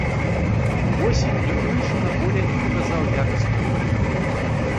Увосень ён выйшаў на поле і паказаў якасную гульню.